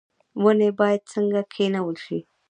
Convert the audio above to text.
ونې باید څنګه کینول شي؟